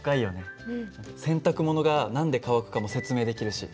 洗濯物が何で乾くかも説明できるし。